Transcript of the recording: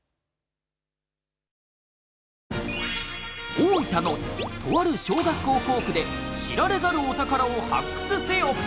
大分のとある小学校校区で知られざるお宝を発掘せよ！